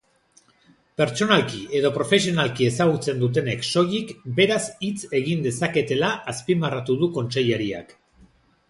Pertsonalki edo profesionalki ezagutzen dutenek soilik beraz hitz egin dezaketela azpimarratu du kontseilariak.